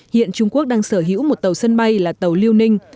hiện trung quốc đang sở hữu một tàu sân bay là tàu liêu ninh